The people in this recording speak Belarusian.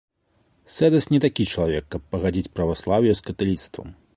Сэдас не такі чалавек, каб пагадзіць праваслаўе з каталіцтвам.